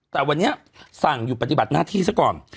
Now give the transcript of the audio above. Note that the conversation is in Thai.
แต่วันนี้สั่งหยุดปฏิบัติหน้าที่ซะก่อน